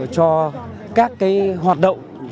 cho các hoạt động